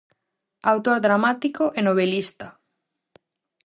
Autor dramático e novelista.